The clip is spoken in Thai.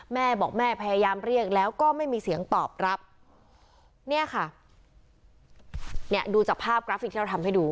แม่บอกแม่พยายามเรียกแล้วก็ไม่มีเสียงตอบรับเนี่ยค่ะเนี่ยดูจากภาพกราฟิกที่เราทำให้ดู